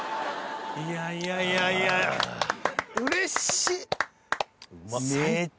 いやいやいやいや嬉しい最高！